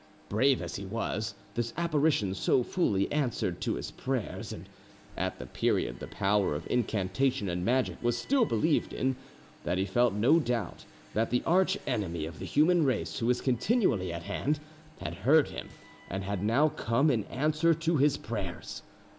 Brave as he was, this apparition so fully answered to his prayers (and at the period the power of incantation and magic was still believed in) that he felt no doubt that the arch enemy of the human race, who is continually at hand, had heard him and had now come in answer to his prayers.